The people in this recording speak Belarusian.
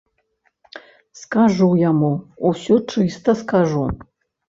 Скажу яму, усё чыста скажу!